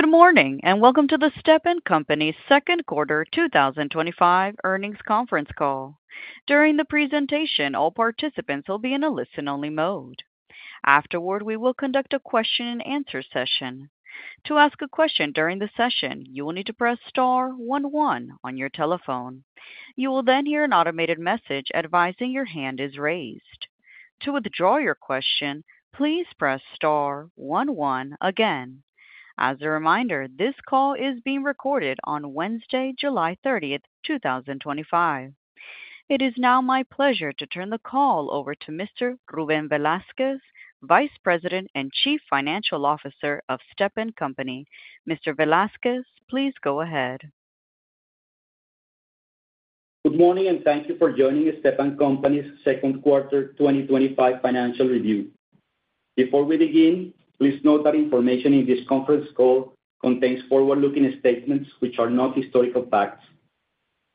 Good morning and welcome to the Stepan Company's second quarter 2025 earnings conference call. During the presentation, all participants will be in a listen-only mode. Afterward, we will conduct a question and answer session. To ask a question during the session, you will need to press star 11 on your telephone. You will then hear an automated message advising your hand is raised. To withdraw your question, please press star 11 again. As a reminder, this call is being recorded on Wednesday, July 30, 2025. It is now my pleasure to turn the call over to Mr. Ruben Velasquez, Vice President and Chief Financial Officer of Stepan Company. Mr. Velasquez, please go ahead. Good morning and thank you for joining Stepan Company's second quarter 2025 financial review. Before we begin, please note that information in this conference call contains forward-looking statements which are not historical facts.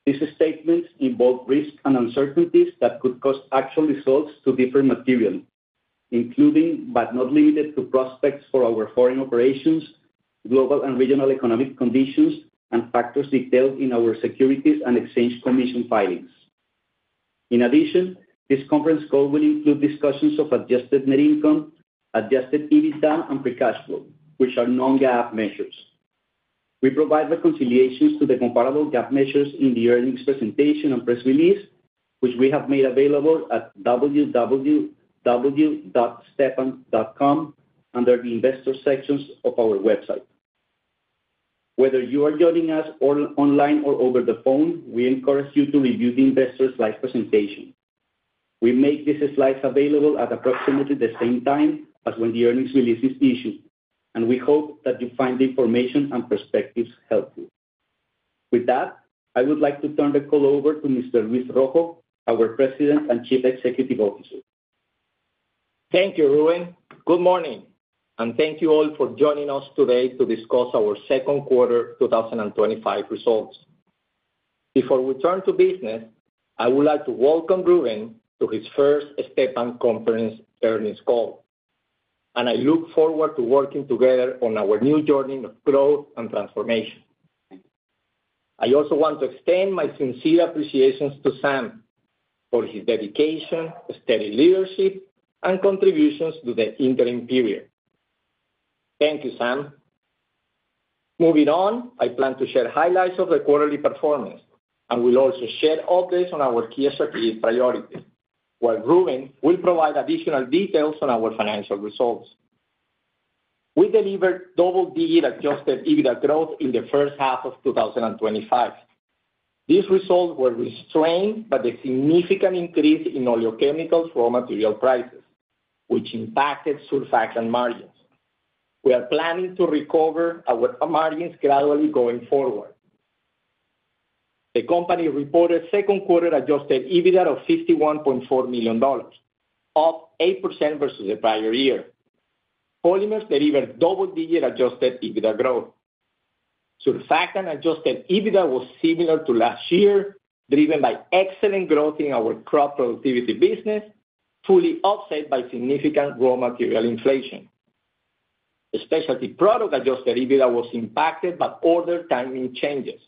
These statements involve risks and uncertainties that could cause actual results to differ materially, including but not limited to prospects for our foreign operations, global and regional economic conditions, and factors detailed in our Securities and Exchange Commission filings. In addition, this conference call will include discussions of adjusted net income, adjusted EBITDA, and free cash flow, which are non-GAAP measures. We provide reconciliations to the comparable GAAP measures in the earnings presentation and press release, which we have made available at www.stepan.com under the Investors section of our website. Whether you are joining us online or over the phone, we encourage you to review the investor slide presentation. We make these slides available at approximately the same time as when the earnings release is issued, and we hope that you find the information and perspectives helpful. With that, I would like to turn the call over to Mr. Luis Rojo, our President and Chief Executive Officer. Thank you, Ruben. Good morning, and thank you all for joining us today to discuss our second quarter 2025 results. Before we turn to business, I would like to welcome Ruben to his first Stepan Company earnings call, and I look forward to working together on our new journey of growth and transformation. I also want to extend my sincere appreciation to Sam for his dedication, steady leadership, and contributions to the interim period. Thank you, Sam. Moving on, I plan to share highlights of the quarterly performance and will also share updates on our key strategic priorities, while Ruben will provide additional details on our financial results. We delivered double-digit adjusted EBITDA growth in the first half of 2025. These results were restrained by the significant increase in Oleochemicals raw material prices, which impacted Surfactant margins. We are planning to recover our margins gradually going forward. The company reported second quarter adjusted EBITDA of $51.4 million, up 8% versus the prior year. Polymers delivered double-digit adjusted EBITDA growth. Surfactant adjusted EBITDA was similar to last year, driven by excellent growth in our Crop Productivity business, fully offset by significant raw material inflation. Specialty Products adjusted EBITDA was impacted by order timing changes,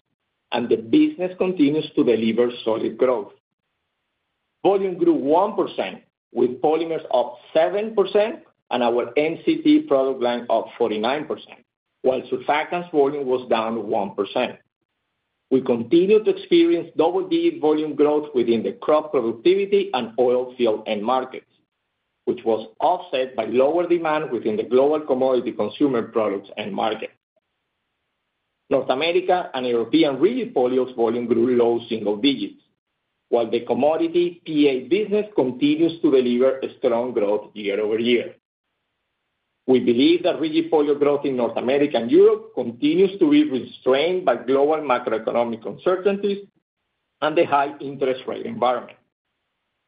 and the business continues to deliver solid growth. Volume grew 1%, with Polymers up 7% and our MCT product line up 49%, while Surfactant volume was down 1%. We continue to experience double-digit volume growth within the Crop Productivity and oil field end markets, which was offset by lower demand within the global commodity consumer products end market. North America and European Rigid Polyols volume grew low single digits, while the commodity PA business continues to deliver a strong growth year over year. We believe that Rigid Polyol growth in North America and Europe continues to be restrained by global macroeconomic uncertainties and the high interest rate environment.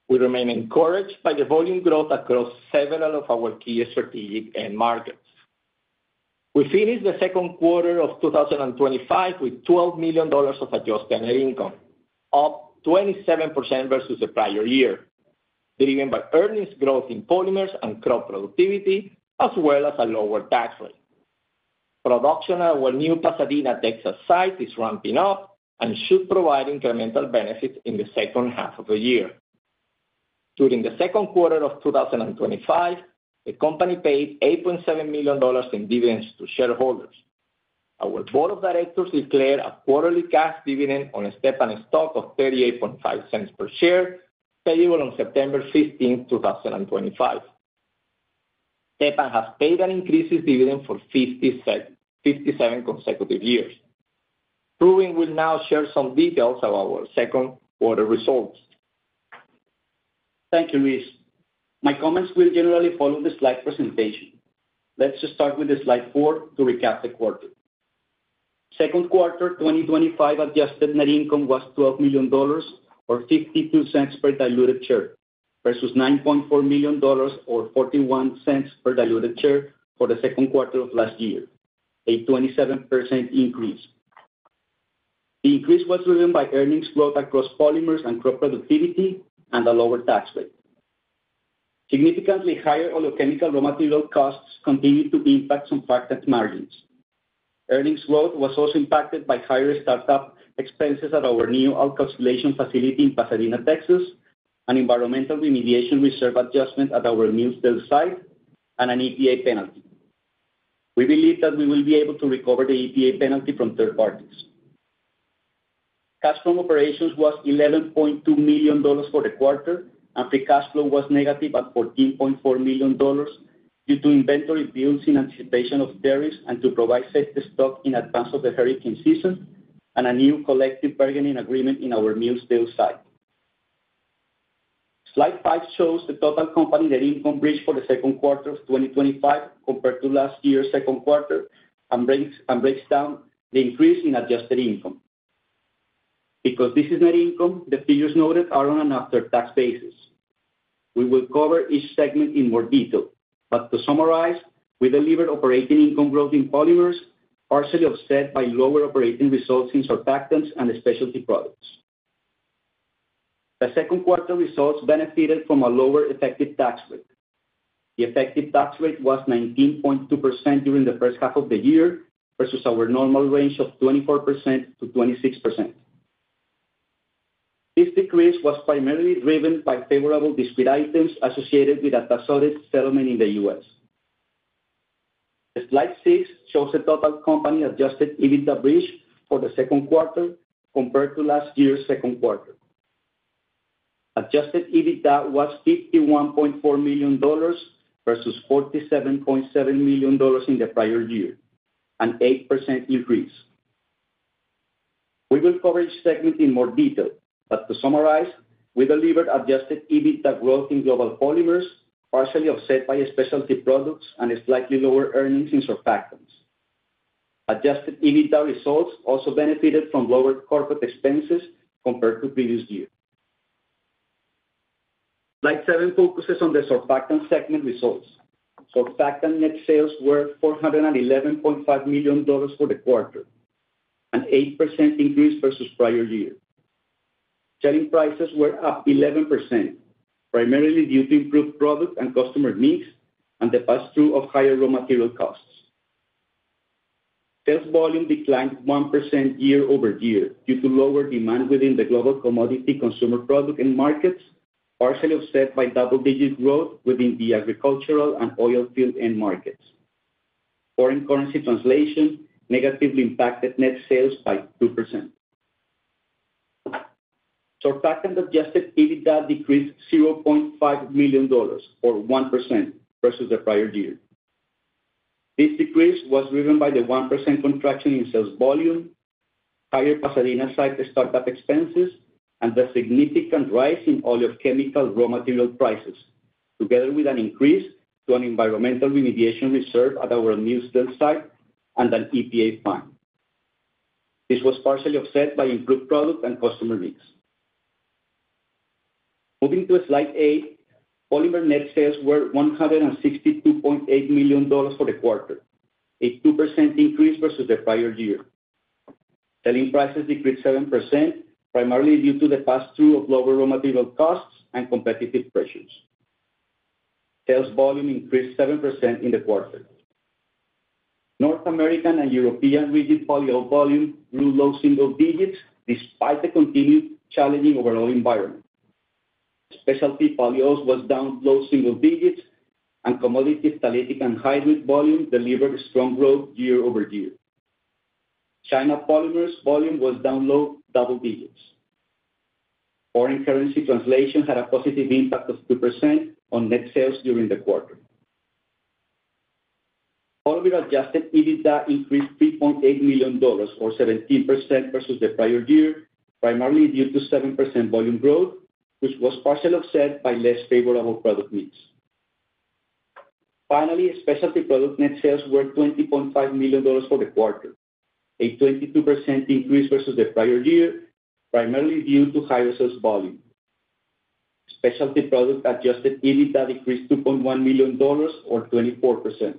We remain encouraged by the volume growth across several of our key strategic end markets. We finish the second quarter of 2025 with $12 million of adjusted net income, up 27% versus the prior year, driven by earnings growth in Polymers and Crop Productivity, as well as a lower tax rate. Production at our new Pasadena, Texas, site is ramping up and should provide incremental benefits in the second half of the year. During the second quarter of 2025, the company paid $8.7 million in dividends to shareholders. Our Board of Directors declared a quarterly cash dividend on Stepan stock of $0.385 per share, payable on September 15, 2025. Stepan has paid an increase in dividend for 57 consecutive years. Ruben will now share some details about our second quarter results. Thank you, Luis. My comments will generally follow the slide presentation. Let's start with slide four to recap the quarter. Second quarter 2025 adjusted net income was $12 million or $0.52 per diluted share versus $9.4 million or $0.41 per diluted share for the second quarter of last year, a 27% increase. The increase was driven by earnings growth across Polymers and Crop Productivity and a lower tax rate. Significantly higher Oleochemical raw material costs continue to impact Surfactant margins. Earnings growth was also impacted by higher startup expenses at our new outconsolation facility in Pasadena, Texas, an environmental remediation reserve adjustment at our new sale site, and an EPA penalty. We believe that we will be able to recover the EPA penalty from third parties. Cash flow from operations was $11.2 million for the quarter, and the cash flow was negative at $14.4 million due to inventory builds in anticipation of tariffs and to provide safety stock in advance of the hurricane season and a new collective bargaining agreement in our new sale site. Slide five shows the total company net income reached for the second quarter of 2025 compared to last year's second quarter and breaks down the increase in adjusted net income. Because this is net income, the figures noted are on an after-tax basis. We will cover each segment in more detail, but to summarize, we delivered operating income growth in Polymers, partially offset by lower operating results in Surfactants and Specialty Products. The second quarter results benefited from a lower effective tax rate. The effective tax rate was 19.2% during the first half of the year versus our normal range of 24%-26%. This decrease was primarily driven by favorable discrete items associated with a tax settlement in the U.S. Slide six shows the total company adjusted EBITDA reached for the second quarter compared to last year's second quarter. Adjusted EBITDA was $51.4 million versus $47.7 million in the prior year, an 8% increase. We will cover each segment in more detail, but to summarize, we delivered adjusted EBITDA growth in global Polymers, partially offset by Specialty Products and slightly lower earnings in Surfactants. Adjusted EBITDA results also benefited from lower corporate expenses compared to previous years. Slide seven focuses on the Surfactant segment results. Surfactant net sales were $411.5 million for the quarter, an 8% increase versus prior year. Selling prices were up 11%, primarily due to improved product and customer mix and the pass-through of higher raw material costs. Sales volume declined 1% year over year due to lower demand within the global commodity consumer product end markets, partially offset by double-digit growth within the agricultural and oil field end markets. Foreign currency translation negatively impacted net sales by 2%. Surfactant adjusted EBITDA decreased $0.5 million or 1% versus the prior year. This decrease was driven by the 1% contraction in sales volume, higher Pasadena site startup expenses, and the significant rise in Oleochemical raw material prices, together with an increase to an environmental remediation reserve at our new sale site and an EPA fund. This was partially offset by improved product and customer mix. Moving to slide eight, Polymer net sales were $162.8 million for the quarter, a 2% increase versus the prior year. Selling prices decreased 7%, primarily due to the pass-through of lower raw material costs and competitive pressures. Sales volume increased 7% in the quarter. North American and European Rigid Polyols volume grew low single digits despite the continued challenging overall environment. Specialty Polyols was down low single digits, and commodity phthalate and hybrid volume delivered strong growth year over year. China Polymers volume was down low double digits. Foreign currency translation had a positive impact of 2% on net sales during the quarter. Polymer adjusted EBITDA increased $3.8 million or 17% versus the prior year, primarily due to 7% volume growth, which was partially offset by less favorable product needs. Finally, Specialty Products net sales were $20.5 million for the quarter, a 22% increase versus the prior year, primarily due to higher sales volume. Specialty Products adjusted EBITDA decreased $2.1 million or 24%.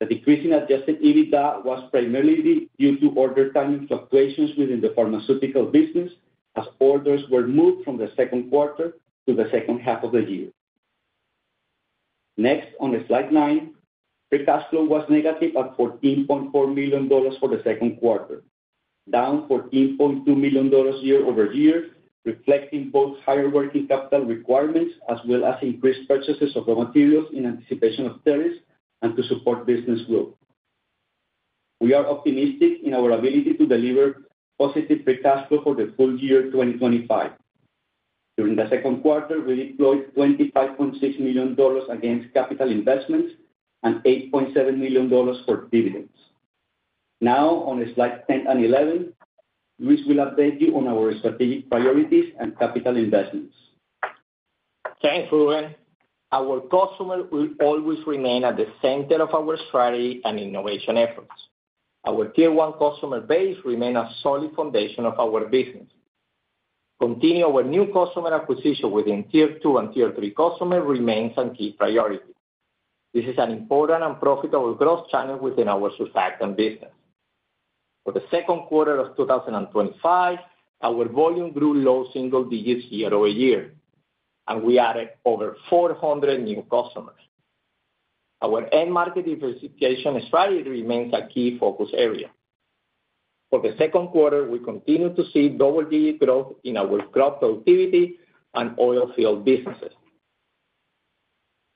The decrease in adjusted EBITDA was primarily due to order timing fluctuations within the pharmaceutical business as orders were moved from the second quarter to the second half of the year. Next, on slide nine, free cash flow was negative at $14.4 million for the second quarter, down $14.2 million year over year, reflecting both higher working capital requirements as well as increased purchases of raw materials in anticipation of tariffs and to support business growth. We are optimistic in our ability to deliver positive free cash flow for the full year 2025. During the second quarter, we deployed $25.6 million against capital investments and $8.7 million for dividends. Now, on slides 10 and 11, Luis will update you on our strategic priorities and capital investments. Thank you, Ruben. Our customers will always remain at the center of our strategy and innovation efforts. Our tier one customer base remains a solid foundation of our business. Continuing our new customer acquisition within tier two and tier three customers remains a key priority. This is an important and profitable growth channel within our Surfactants business. For the second quarter of 2025, our volume grew low single digits year over year, and we added over 400 new customers. Our end market diversification strategy remains a key focus area. For the second quarter, we continue to see double-digit growth in our Crop Productivity and oil field businesses.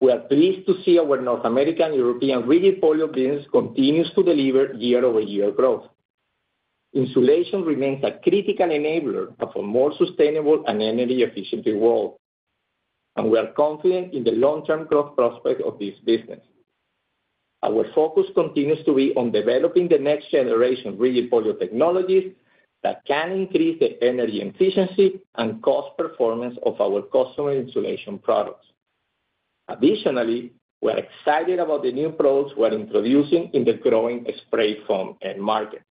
We are pleased to see our North American and European Rigid Polyols business continues to deliver year-over-year growth. Insulation remains a critical enabler of a more sustainable and energy-efficient world, and we are confident in the long-term growth prospects of this business. Our focus continues to be on developing the next generation Rigid Polyols technologies that can increase the energy efficiency and cost performance of our customer insulation products. Additionally, we are excited about the new products we are introducing in the growing spray foam end market.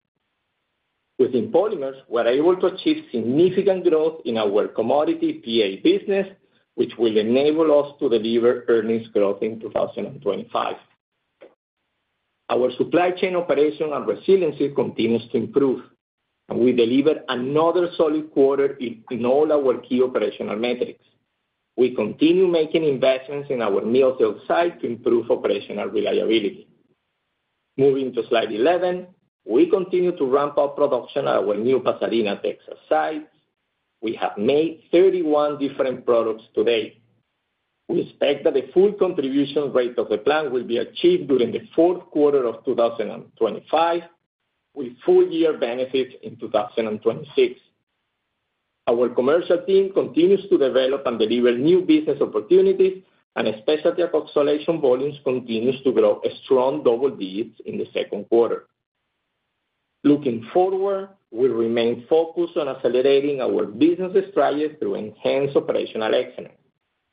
Within Polymers, we are able to achieve significant growth in our commodity PA businesses, which will enable us to deliver earnings growth in 2025. Our supply chain operational resilience continues to improve, and we delivered another solid quarter in all our key operational metrics. We continue making investments in our new sale site to improve operational reliability. Moving to slide 11, we continue to ramp up production at our new Pasadena, Texas, site. We have made 31 different products to date. We expect that the full contribution rate of the plant will be achieved during the fourth quarter of 2025, with full-year benefits in 2026. Our commercial team continues to develop and deliver new business opportunities, and Specialty Polyols volumes continue to grow a strong double digit in the second quarter. Looking forward, we remain focused on accelerating our business strategy through enhanced operational excellence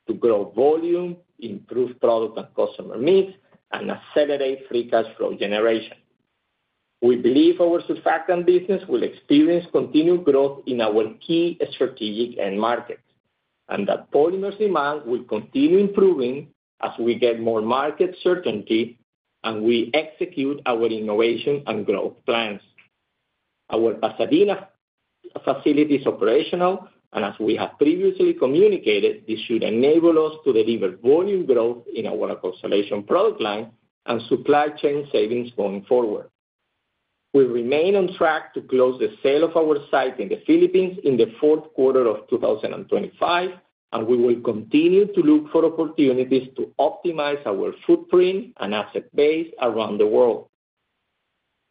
to grow volume, improve product and customer needs, and accelerate free cash flow generation. We believe our Surfactants business will experience continued growth in our key strategic end markets and that Polymers demand will continue improving as we get more market certainty and we execute our innovation and growth plans. Our Pasadena facility is operational, and as we have previously communicated, this should enable us to deliver volume growth in our Specialty Polyols product line and supply chain savings going forward. We remain on track to close the sale of our site in the Philippines in the fourth quarter of 2025, and we will continue to look for opportunities to optimize our footprint and asset base around the world.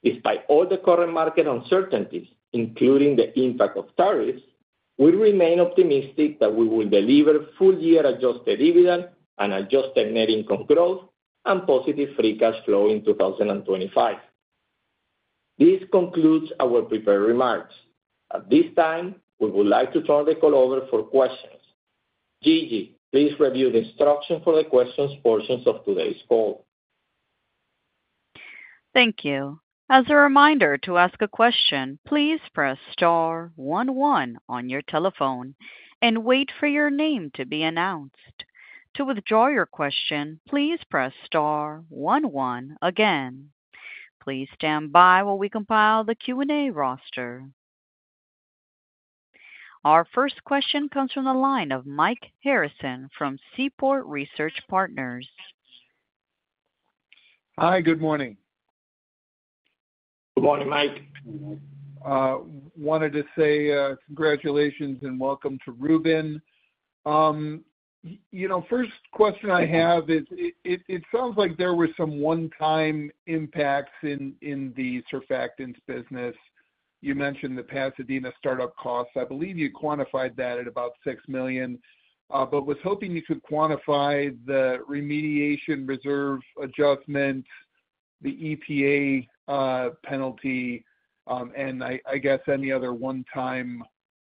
Despite all the current market uncertainties, including the impact of tariffs, we remain optimistic that we will deliver full-year adjusted dividend and adjusted net income growth and positive free cash flow in 2025. This concludes our prepared remarks. At this time, we would like to turn the call over for questions. Gigi, please review the instructions for the questions portions of today's call. Thank you. As a reminder, to ask a question, please press star 11 on your telephone and wait for your name to be announced. To withdraw your question, please press star 11 again. Please stand by while we compile the Q&A roster. Our first question comes from the line of Mike Harrison from Seaport Research Partners. Hi, good morning. Good morning, Mike. I wanted to say congratulations and welcome to Ruben. The first question I have is it sounds like there were some one-time impacts in the Surfactants business. You mentioned the Pasadena startup costs. I believe you quantified that at about $6 million, but was hoping you could quantify the remediation reserve adjustments, the EPA penalty, and I guess any other one-time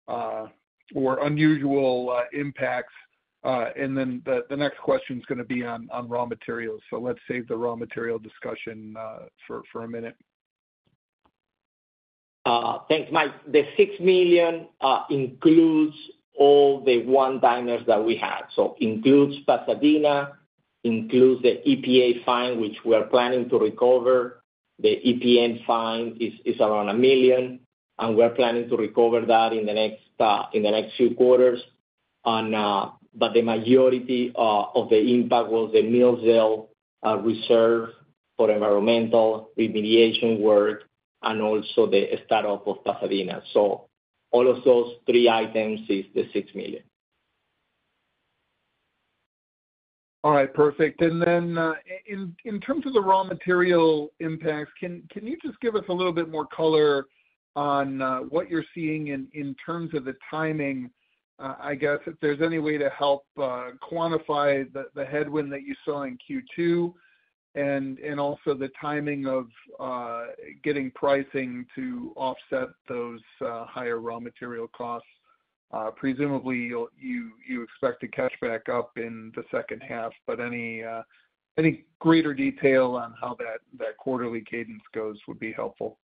or unusual impacts. The next question is going to be on raw materials. Let's save the raw material discussion for a minute. Thanks, Mike. The $6 million includes all the one-timers that we had. It includes Pasadena, includes the EPA fine, which we are planning to recover. The EPA fine is around $1 million, and we're planning to recover that in the next few quarters. The majority of the impact was the new sale reserve for environmental remediation work and also the startup for Pasadena. All of those three items are the $6 million. All right, perfect. In terms of the raw material impacts, can you just give us a little bit more color on what you're seeing in terms of the timing? I guess if there's any way to help quantify the headwind that you saw in Q2 and also the timing of getting pricing to offset those higher raw material costs. Presumably, you expect to catch back up in the second half, but any greater detail on how that quarterly cadence goes would be helpful.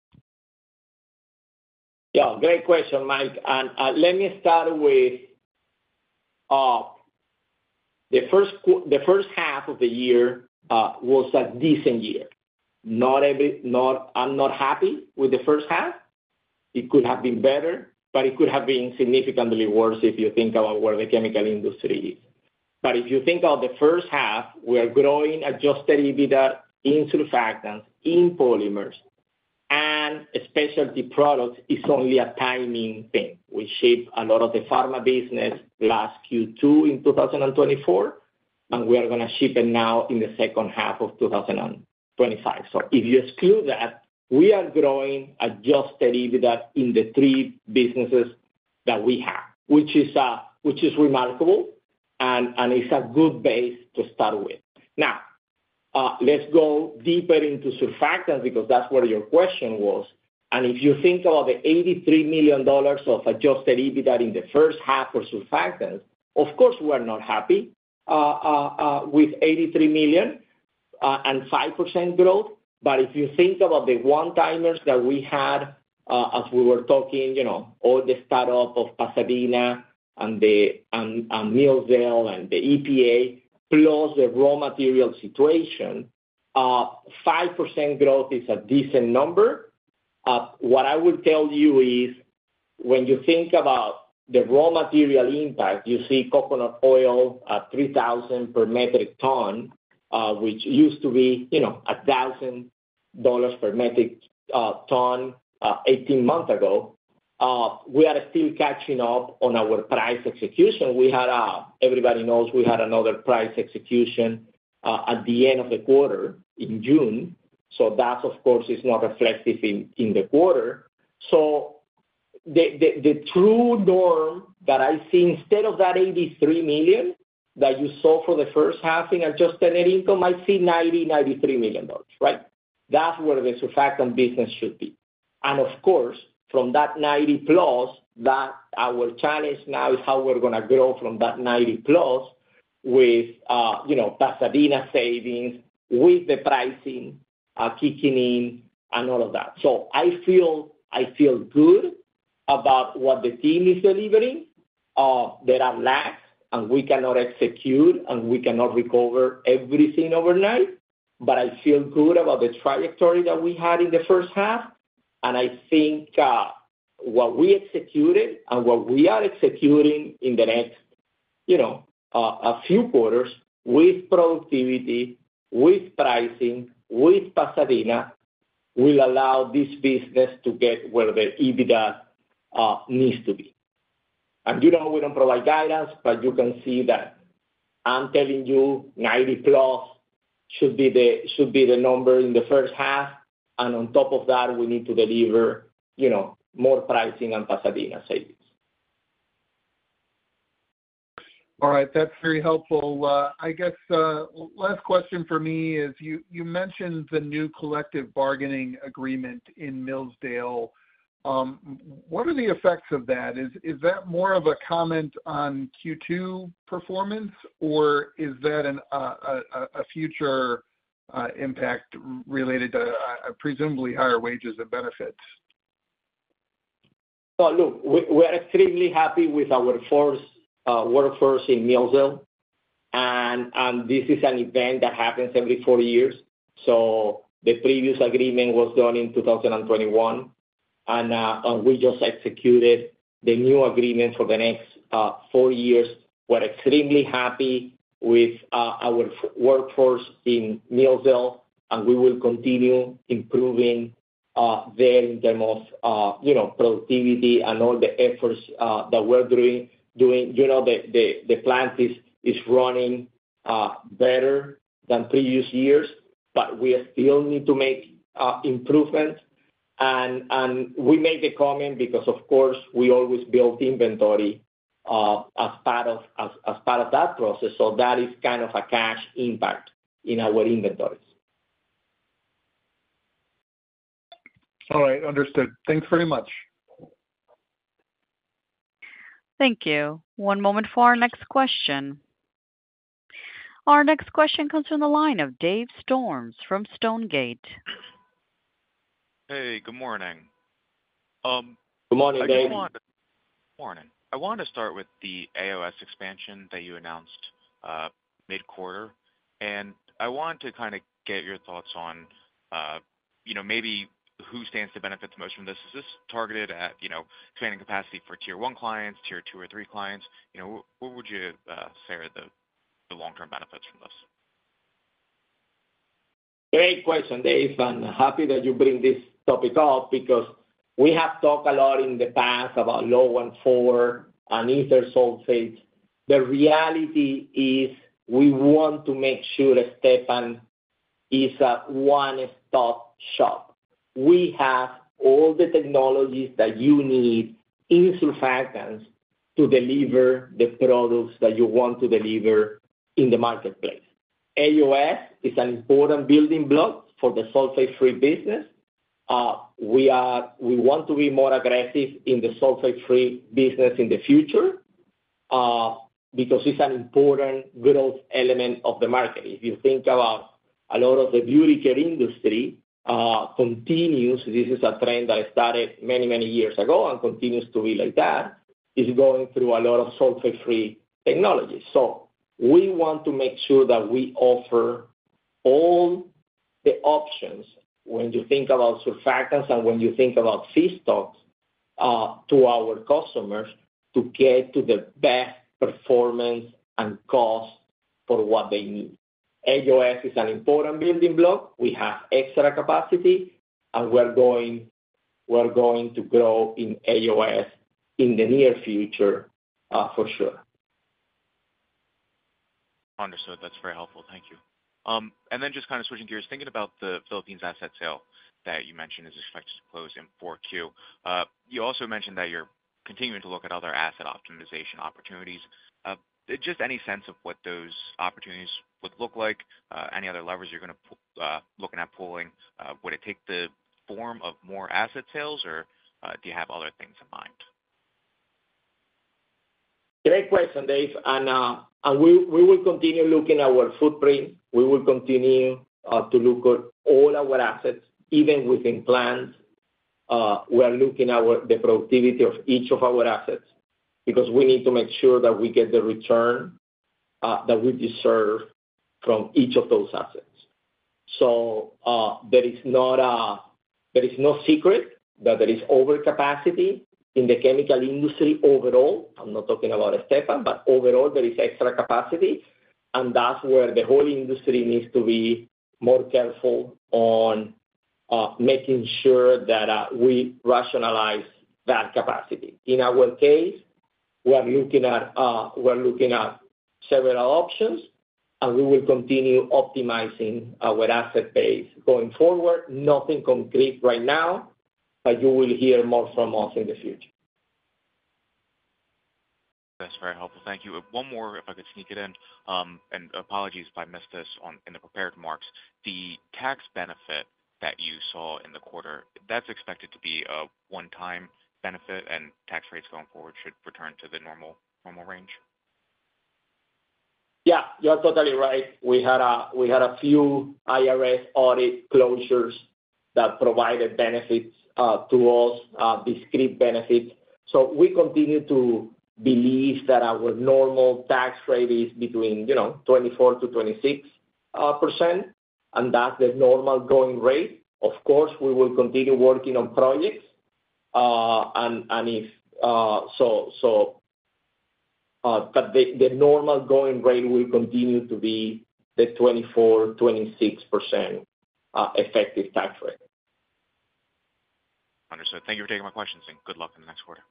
Yeah, great question, Mike. Let me start with the first half of the year was a decent year. I'm not happy with the first half. It could have been better, but it could have been significantly worse if you think about where the chemical industry is. If you think about the first half, we are growing adjusted EBITDA in Surfactants, in Polymers, and Specialty Products is only a timing thing. We shipped a lot of the pharma business last Q2 in 2024, and we are going to ship it now in the second half of 2025. If you exclude that, we are growing adjusted EBITDA in the three businesses that we have, which is remarkable, and it's a good base to start with. Now, let's go deeper into Surfactants because that's where your question was. If you think about the $83 million of adjusted EBITDA in the first half for Surfactants, of course, we're not happy with $83 million and 5% growth. If you think about the one-timers that we had as we were talking, all the startup of Pasadena and the new sale and the EPA plus the raw material situation, 5% growth is a decent number. What I will tell you is when you think about the raw material impact, you see coconut oil at $3,000 per metric ton, which used to be $1,000 per metric ton 18 months ago. We are still catching up on our price execution. Everybody knows, we had another price execution at the end of the quarter in June. That, of course, is not reflective in the quarter. The true norm that I see instead of that $83 million that you saw for the first half in adjusted net income, I see $90, $93 million, right? That's where the Surfactant business should be. From that $90 plus, our challenge now is how we're going to grow from that $90 plus with Pasadena savings, with the pricing kicking in, and all of that. I feel good about what the team is delivering. There are lags and we cannot execute and we cannot recover everything overnight. I feel good about the trajectory that we had in the first half. I think what we executed and what we are executing in the next few quarters with productivity, with pricing, with Pasadena will allow this business to get where the EBITDA needs to be. We don't provide guidance, but you can see that I'm telling you $90 plus should be the number in the first half. On top of that, we need to deliver more pricing on Pasadena savings. All right, that's very helpful. I guess the last question for me is you mentioned the new collective bargaining agreement in Millsdale. What are the effects of that? Is that more of a comment on Q2 performance, or is that a future impact related to presumably higher wages and benefits? We're extremely happy with our first workforce in Millsdale. This is an event that happens every four years. The previous agreement was done in 2021, and we just executed the new agreement for the next four years. We're extremely happy with our workforce in Millsdale, and we will continue improving there in terms of productivity and all the efforts that we're doing. The plant is running better than previous years, but we still need to make improvements. We make the comment because, of course, we always build inventory as part of that process. That is kind of a cash impact in our inventories. All right, understood. Thanks very much. Thank you. One moment for our next question. Our next question comes from the line of Dave Storms from Stonegate. Hey, good morning. Good morning, Dave. I want to start with the AOS expansion that you announced mid-quarter. I want to kind of get your thoughts on, you know, maybe who stands to benefit the most from this. Is this targeted at, you know, expanding capacity for tier one clients, tier two or three clients? What would you say are the long-term benefits from this? Great question, Dave. I'm happy that you bring this topic up because we have talked a lot in the past about low 1, 4 and ether sulfate. The reality is we want to make sure Stepan is a one-stop shop. We have all the technologies that you need in the Surfactants to deliver the products that you want to deliver in the marketplace. AOS is an important building block for the sulfate-free business. We want to be more aggressive in the sulfate-free business in the future because it's an important growth element of the market. If you think about a lot of the beauty care industry continues, this is a trend that started many, many years ago and continues to be like that. It's going through a lot of sulfate-free technologies. We want to make sure that we offer all the options when you think about Surfactants and when you think about sea stocks to our customers to get to the best performance and cost for what they need. AOS is an important building block. We have extra capacity, and we're going to grow in AOS in the near future for sure. Understood. That's very helpful. Thank you. Just kind of switching gears, thinking about the Philippines asset sale that you mentioned is expected to close in 4Q. You also mentioned that you're continuing to look at other asset optimization opportunities. Just any sense of what those opportunities would look like, any other levers you're going to look at pulling? Would it take the form of more asset sales, or do you have other things in mind? Great question, Dave. We will continue looking at our footprint. We will continue to look at all our assets, even within plants. We are looking at the productivity of each of our assets because we need to make sure that we get the return that we deserve from each of those assets. There is no secret that there is overcapacity in the chemical industry overall. I'm not talking about Stepan, but overall, there is extra capacity. That is where the whole industry needs to be more careful on making sure that we rationalize that capacity. In our case, we are looking at several options, and we will continue optimizing our asset base going forward. Nothing concrete right now, but you will hear more from us in the future. That's very helpful. Thank you. One more, if I could sneak it in, and apologies if I missed this in the prepared remarks. The tax benefit that you saw in the quarter, that's expected to be a one-time benefit, and tax rates going forward should return to the normal range. Yeah, you're totally right. We had a few IRS audit closures that provided benefits to us, discrete benefits. We continue to believe that our normal tax rate is between 24%-26%, and that's the normal going rate. Of course, we will continue working on projects. The normal going rate will continue to be the 24%-26% effective tax rate. Understood. Thank you for taking my questions, and good luck in the next quarter.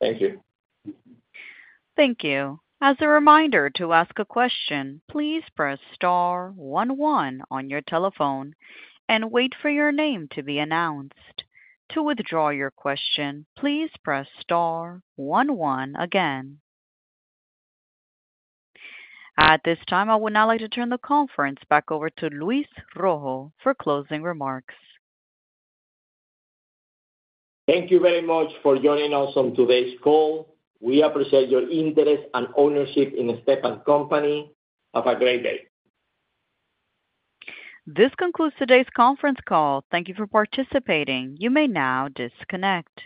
Thank you. Thank you. As a reminder, to ask a question, please press star 11 on your telephone and wait for your name to be announced. To withdraw your question, please press star 11 again. At this time, I would now like to turn the conference back over to Luis Rojo for closing remarks. Thank you very much for joining us on today's call. We appreciate your interest and ownership in Stepan Company. Have a great day. This concludes today's conference call. Thank you for participating. You may now disconnect.